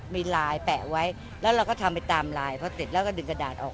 มีลายแปะไว้แล้วเราก็ทำไปตามไลน์พอเสร็จแล้วก็ดึงกระดาษออก